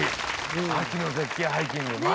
秋の絶景ハイキングまさに。